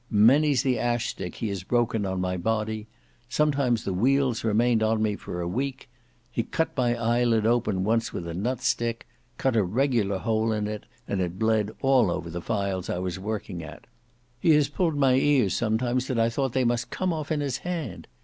Many's the ash stick he has broken on my body; sometimes the weals remained on me for a week; he cut my eyelid open once with a nutstick; cut a regular hole in it, and it bled all over the files I was working at. He has pulled my ears sometimes that I thought they must come off in his hand.